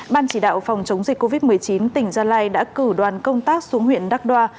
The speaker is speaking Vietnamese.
ban chỉ đạo phòng chống dịch covid một mươi chín tỉnh gia lai đã cử đoàn công tác xuống huyện đắk đoa